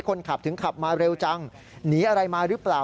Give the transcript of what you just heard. คนขับถึงขับมาเร็วจังหนีอะไรมาหรือเปล่า